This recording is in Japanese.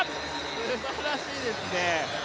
すばらしいですね。